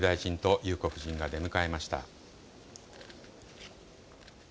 岸田総理大臣と裕子夫人が出迎えました。